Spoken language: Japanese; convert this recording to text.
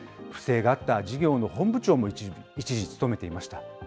不正があった事業の本部長も、一時務めていました。